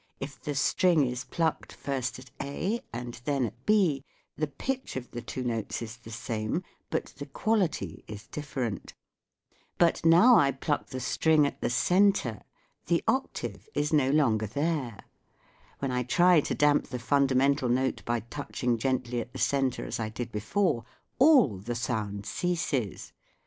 If the string is plucked, first at A, and then at B, the pitch of the two notes is the same, but the quality is different. octave is no longer there. When I try to damp the fundamental note by touching gently at the centre as I did before, all the sound ceases.